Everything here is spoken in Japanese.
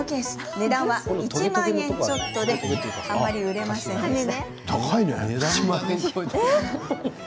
値段は１万円ちょっとであんまり売れませんでした。